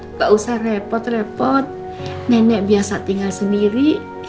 nggak usah repot repot nenek biasa tinggal sendiri